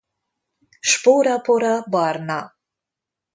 Spórapora barna.